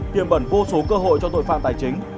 tiềm bẩn vô số cơ hội cho tội phạm tài chính